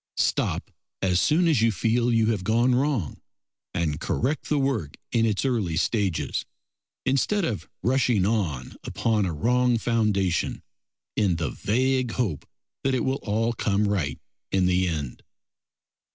Stop as soon as you feel you have gone wrong and correct the work in its early stages, instead of rushing on upon a wrong foundation in the vague hope that it will all come right in the end.